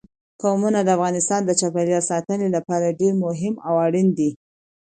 قومونه د افغانستان د چاپیریال ساتنې لپاره ډېر مهم او اړین دي.